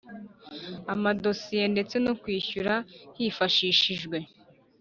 Amadosiye ndetse no kwishyura hifashishijwe